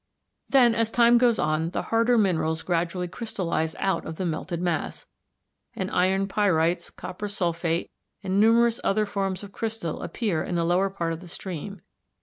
Then as time goes on the harder minerals gradually crystallise out of the melted mass, and iron pyrites, copper sulphate, and numerous other forms of crystal appear in the lower part of the stream.